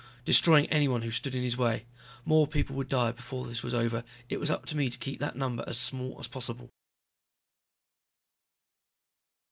Destroying anyone who stood in his way. More people would die before this was over, it was up to me to keep that number as small as possible.